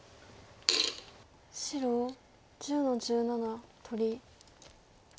白１０の十七取り。